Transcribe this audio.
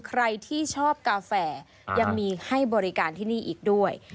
ใครที่ชอบกาแฟยังมีให้บริการที่นี่อีกด้วย